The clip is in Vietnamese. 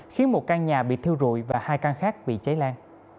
khiến một căn nhà bị thiêu rụi và hai căn khác bị cháy lan